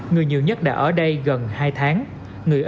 người nhiều nhất đã ở đây gần hai tháng